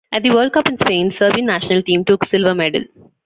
At the World Cup in Spain, Serbian national team took silver medal.